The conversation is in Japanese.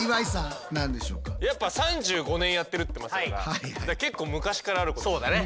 やっぱ３５年やってるって言ってましたから結構昔からあることですよね。